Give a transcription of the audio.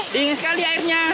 dingin sekali airnya